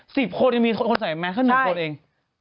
สิบคนยังมีคนใส่แม่เค้าหนูคนเอง